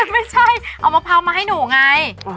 ไม่ใช่เอามะพร้าวมาให้หนูไง